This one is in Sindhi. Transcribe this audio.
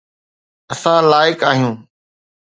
اسان لائق آهيون